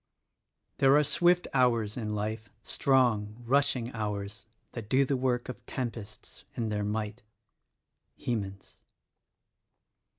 "There are swift hours in life, strong, rushing hours, That do the work of tempests in their might." — Hemans.